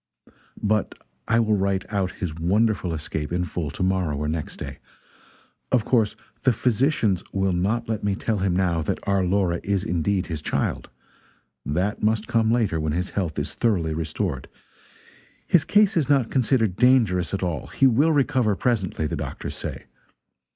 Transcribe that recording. But I will write out his wonderful escape in full to morrow or next day. Of course the physicians will not let me tell him now that our Laura is indeed his child that must come later, when his health is thoroughly restored. His case is not considered dangerous at all; he will recover presently, the doctors say.